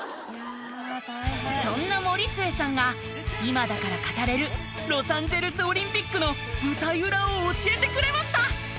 そんな森末さんが今だから語れるロサンゼルスオリンピックの舞台裏を教えてくれました！